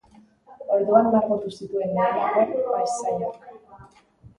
Orduan margotu zituen lehenengo paisaiak.